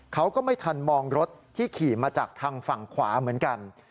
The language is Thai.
เขาก็ไม่ทันมองรถที่ขี่มาจากทางฝั่งขวาเหมือนกัน